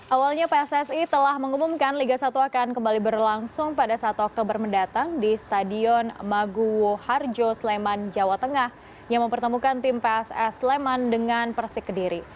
awalnya pssi telah mengumumkan liga satu akan kembali berlangsung pada satu oktober mendatang di stadion maguwo harjo sleman jawa tengah yang mempertemukan tim pss sleman dengan persik kediri